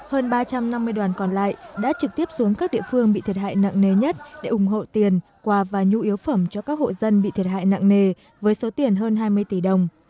hơn ba trăm năm mươi đoàn còn lại đã trực tiếp xuống các địa phương bị thiệt hại nặng nề nhất để ủng hộ tiền quà và nhu yếu phẩm cho các hộ dân bị thiệt hại nặng nề với số tiền hơn hai mươi tỷ đồng